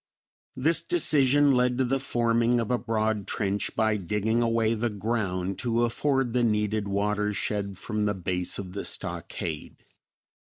This decision led to the forming of a broad trench by digging away the ground to afford the needed watershed from the base of the stockade.